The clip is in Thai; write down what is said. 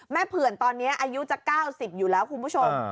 เผื่อนตอนนี้อายุจะ๙๐อยู่แล้วคุณผู้ชม